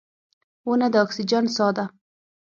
• ونه د اکسیجن ساه ده.